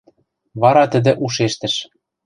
Вара тӹдӹ ушештӹш: